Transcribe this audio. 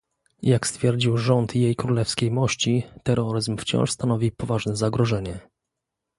Jak stwierdził rząd Jej Królewskiej Mości, terroryzm wciąż stanowi poważne zagrożenie